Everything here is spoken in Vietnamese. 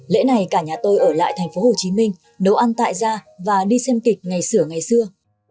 lễ này cả nhà tôi ở lại thành phố hồ chí minh nấu ăn tại ra và đi xem kịch ngày sửa ngày xưa